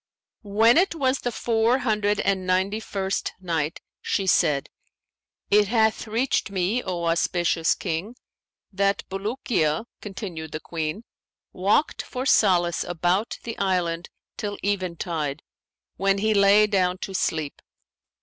When it was the Four Hundred and Ninety first Night, She said, It hath reached me, O auspicious King, that "Bulukiya (continued the Queen) walked for solace about the island till eventide, when he lay down to sleep.